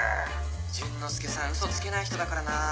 淳之介さん嘘つけない人だからな。